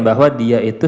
bahwa dia itu